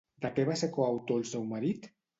De què va ser coautor el seu marit?